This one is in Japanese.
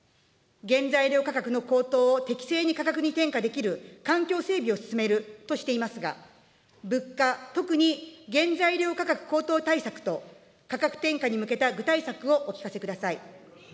原材料価格の高騰を適正に価格に転嫁できる環境整備を進めるとしていますが、物価、特に原材料価格高騰対策と、価格転嫁に向けた具体策をお聞かせください。